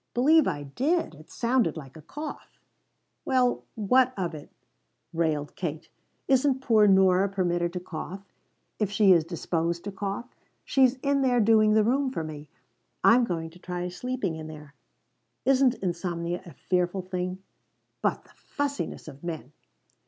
"Believe I did. It sounded like a cough." "Well, what of it?" railed Kate. "Isn't poor Nora permitted to cough, if she is disposed to cough? She's in there doing the room for me. I'm going to try sleeping in there isn't insomnia a fearful thing? But the fussiness of men!"